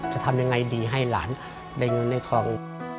จะทำยังไงดีให้หลานได้เงินในคลอง